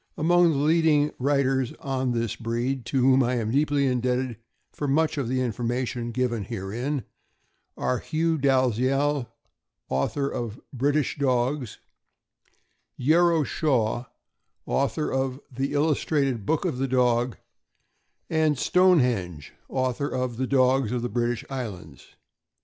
Among the leading writers on this breed, to whom I am deeply indebted for much of the information given herein, are Hugh Dalziel, author of "British Dogs," Yero Shaw, author of "The Illustrated Book of the Dog," and Stonehenge, author of "The Dogs of the British Islands."